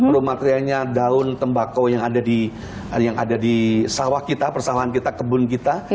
raw materialnya daun tembakau yang ada di sawah kita persawahan kita kebun kita